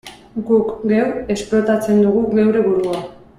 Guk geuk esplotatzen dugu geure burua.